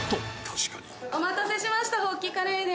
お待たせしました！